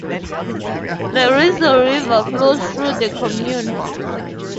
The Risle river flows through the commune.